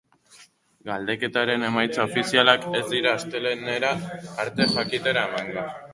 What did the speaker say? Galdeketaren emaitza ofizialak ez dira astelehenera arte jakitera emango.